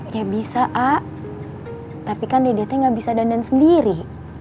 ya bisa ah tapi kan dedete gak bisa dandan sendiri